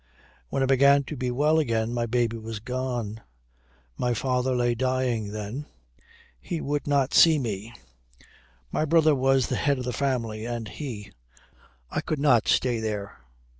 When I began to be well again my baby was gone. My father lay dying then. He would not see me. My brother was the head of the family, and he I could not stay there.